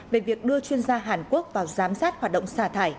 về việc đưa chuyên gia hàn quốc vào giám sát hoạt động xả thải